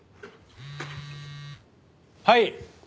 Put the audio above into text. はい。